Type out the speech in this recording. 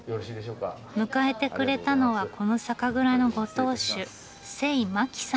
迎えてくれたのはこの酒蔵のご当主